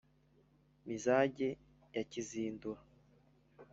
mizage ya kizindura